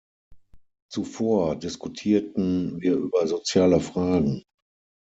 Zuvor diskutierten wir über soziale Fragen.